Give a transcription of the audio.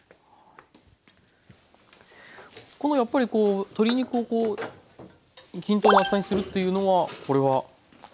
このやっぱりこう鶏肉をこう均等な厚さにするっていうのはこれは？